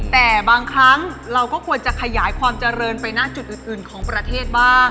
แต่บางครั้งเราก็ควรจะขยายความเจริญไปหน้าจุดอื่นของประเทศบ้าง